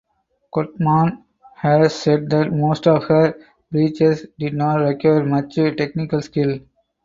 Kottmann has said that most of her breaches did not require much technical skill.